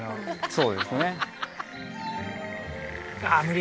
そうですね。